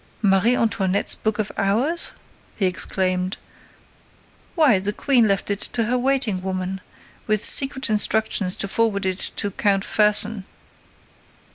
"Marie Antoinette's book of hours?" he exclaimed. "Why, the Queen left it to her waiting woman, with secret instructions to forward it to Count Fersen.